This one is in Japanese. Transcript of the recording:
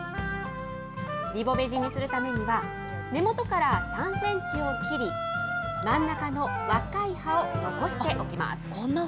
リボベジにするためには、根もとから３センチを切り、真ん中の若い葉を残しておきます。